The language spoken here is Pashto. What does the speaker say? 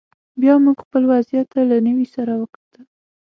بیا موږ خپل وضعیت ته له نوي سره وکتل